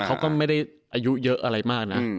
เขาก็ไม่ได้อายุเยอะอะไรมากนะ